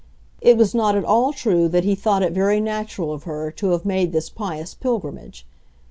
It was not at all true that he thought it very natural of her to have made this pious pilgrimage.